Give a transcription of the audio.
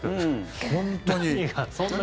本当に。